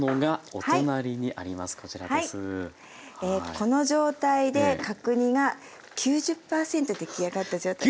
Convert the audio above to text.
この状態で角煮が９０％出来上がった状態です。